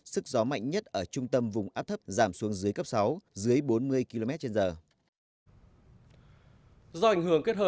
sức gió mạnh nhất ở trung tâm vùng áp thấp giảm xuống dưới cấp sáu dưới bốn mươi km trên giờ